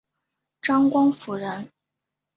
张光辅人。